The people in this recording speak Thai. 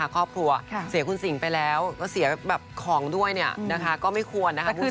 ครอบครัวเสียคุณสิงห์ไปแล้วก็เสียของด้วยก็ไม่ควรนะคะคุณผู้ชม